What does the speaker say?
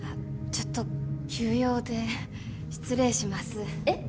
ちょっと急用で失礼しますえっ！？